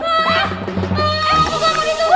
eh bukan itu